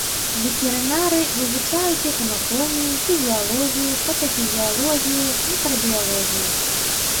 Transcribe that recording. Ветэрынары вывучаюць іх анатомію, фізіялогію, патафізіялогію, мікрабіялогію.